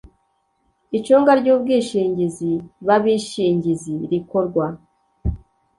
icunga ry ubwishingizi b abishingizi rikorwa